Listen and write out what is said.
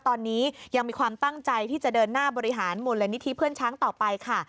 ตอนนี้ยังมีความตั้งใจที่จะเดินหน้าบริหารมูลนิธิเพื่อนช้างต่อไปค่ะ